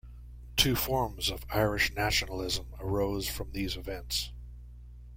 Two forms of Irish nationalism arose from these events.